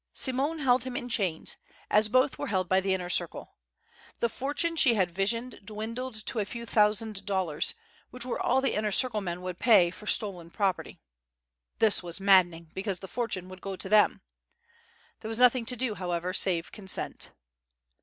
Simone held him in chains, as both were held by the Inner Circle. The fortune she had visioned dwindled to a few thousand dollars which were all the Inner Circle men would pay for "stolen property." This was maddening, because the fortune would go to them. There was nothing to do, however, save consent.